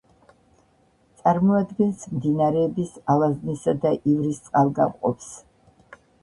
წარმოადგენს მდინარეების ალაზნისა და ივრის წყალგამყოფს.